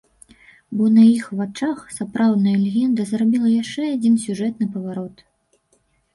Бо на іх вачах сапраўдная легенда зрабіла яшчэ адзін сюжэтны паварот.